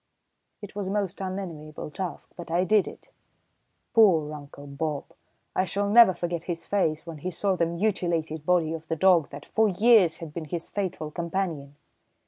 It was a most unenviable task, but I did it. Poor Uncle Bob! I shall never forget his face when he saw the mutilated body of the dog that for years had been his faithful companion.